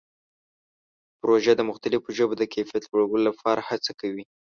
پروژه د مختلفو ژبو د کیفیت لوړولو لپاره هڅه کوي.